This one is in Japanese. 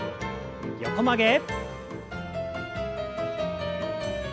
横曲げ。